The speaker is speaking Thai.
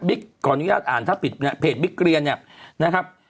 บิ๊กก่อนยอดอ่านถ้าปิดเพจบิ๊กเรียนเนี่ยนะครับ